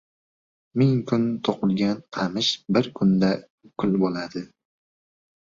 • Ming kun to‘qilgan qamish bir kunda kul bo‘ladi.